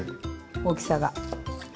大きさが。